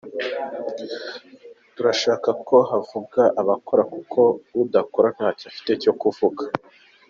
Turashaka ko havuga abakora kuko udakora ntacyo afite cyo kuvuga.